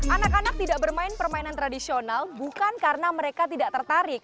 anak anak tidak bermain permainan tradisional bukan karena mereka tidak tertarik